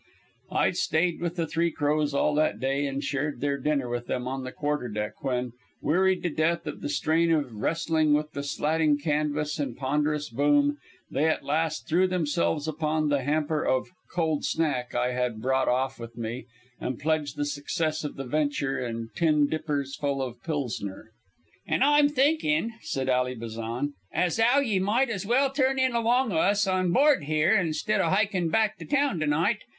I stayed with the Three Crows all that day and shared their dinner with them on the quarterdeck when, wearied to death with the strain of wrestling with the slatting canvas and ponderous boom, they at last threw themselves upon the hamper of "cold snack" I had brought off with me and pledged the success of the venture in tin dippers full of Pilsener. "And I'm thinking," said Ally Bazan, "as 'ow ye might as well turn in along o' us on board 'ere, instead o' hykin' back to town to night.